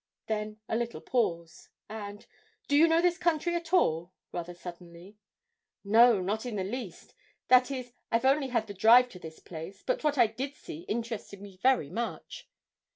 Then a little pause, and 'Do you know this country at all?' rather suddenly. 'No, not in the least that is, I've only had the drive to this place; but what I did see interested me very much.'